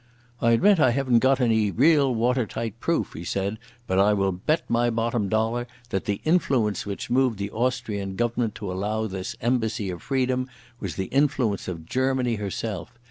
"I admit I haven't any real water tight proof," he said, "but I will bet my bottom dollar that the influence which moved the Austrian Government to allow this embassy of freedom was the influence of Germany herself.